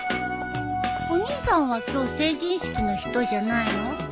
お兄さんは今日成人式の人じゃないの？